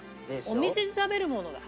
お店で食べるものだ。